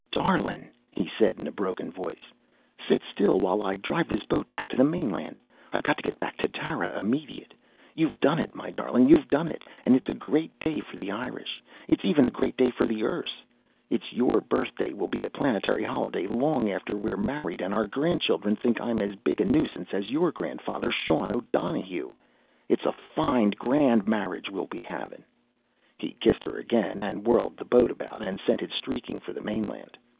"Darlin'!" he said in a broken voice. "Sit still while I drive this boat back to the mainland! I've to get back to Tara immediate! You've done it, my darlin', you've done it, and it's a great day for the Irish! It's even a great day for the Erse! It's your birthday will be a planetary holiday long after we're married and our grandchildren think I'm as big a nuisance as your grandfather Sean O'Donohue! It's a fine grand marriage we'll be havin' " He kissed her again and whirled the boat about and sent it streaking for the mainland.